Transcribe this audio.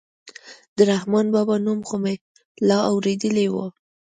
د رحمان بابا نوم خو مې لا اورېدلى و.